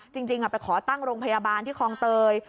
จริงไปขอตั้งโรงพยาบาลที่คลองเตย